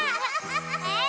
えっ？